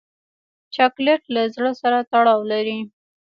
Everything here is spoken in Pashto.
چاکلېټ له زړه سره تړاو لري.